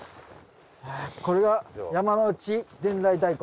これが山内伝来大根。